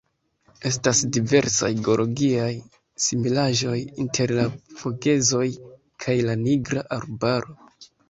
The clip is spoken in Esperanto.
Estas diversaj geologiaj similaĵoj inter la Vogezoj kaj la Nigra Arbaro.